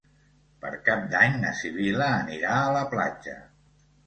Per Cap d'Any na Sibil·la anirà a la platja.